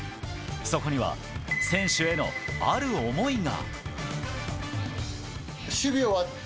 そこには選手への、ある思いが。